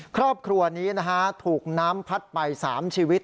ครอบครัวนี้นะฮะถูกน้ำพัดไป๓ชีวิต